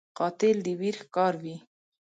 قاتل د ویر ښکاروي